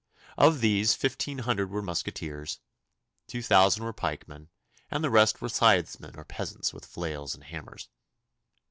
Of these fifteen hundred were musqueteers, two thousand were pikemen, and the rest were scythesmen or peasants with flails and hammers.